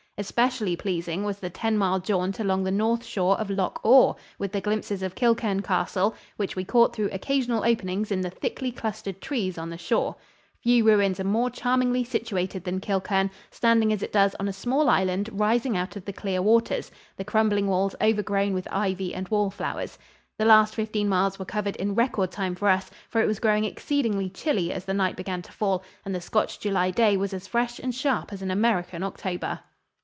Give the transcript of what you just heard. Especially pleasing was the ten mile jaunt along the north shore of Loch Awe, with the glimpses of Kilchurn Castle which we caught through occasional openings in the thickly clustered trees on the shore. Few ruins are more charmingly situated than Kilchurn, standing as it does on a small island rising out of the clear waters the crumbling walls overgrown with ivy and wall flowers. The last fifteen miles were covered in record time for us, for it was growing exceedingly chilly as the night began to fall and the Scotch July day was as fresh and sharp as an American October.